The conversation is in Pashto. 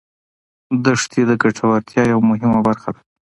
دښتې د ګټورتیا یوه مهمه برخه ده.